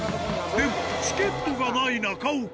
でもチケットがない中岡。